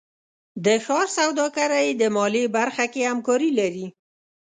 د ښار سوداګرۍ د مالیې برخه کې همکاري لري.